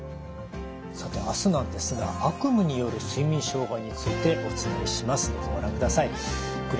さて明日なんですが悪夢による睡眠障害についてお伝えします。